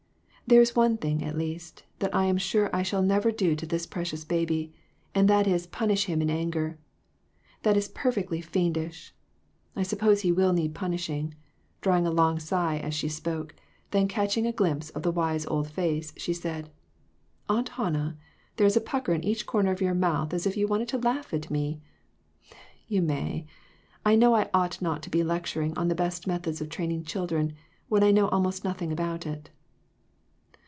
There is one thing, at least, that I am sure I shall never do to this precious baby ; and that is, punish him in anger. That is perfectly fiendish. I suppose he will need punishing" drawing a long sigh as she spoke ; then catching a glimpse of the wise old face, she said :" Aunt Hannah, there is a pucker in each cor ner of your mouth as if you wanted to laugh at me. You may ; I know I ought not to be lectur ing on the best methods of training children, when I know almost nothing about it."